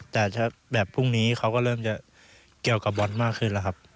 แต่แบบพรุ่งนี้เขาก็เริ่มจะเกี่ยวกับบอลมากขึ้นแล้วครับ